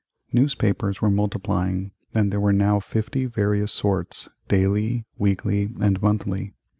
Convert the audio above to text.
Newspapers were multiplying, and there were now fifty various sorts, daily, weekly, and monthly.